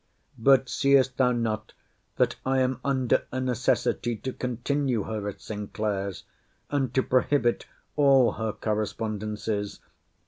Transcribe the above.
But seest thou not that I am under a necessity to continue her at Sinclair's and to prohibit all her correspondencies?